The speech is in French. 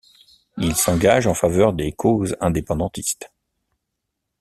Il s’engage en faveur des causes indépendantistes.